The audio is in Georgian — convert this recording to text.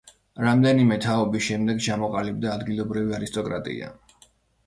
რამდენიმე თაობის შემდეგ ჩამოყალიბდა ადგილობრივი არისტოკრატია.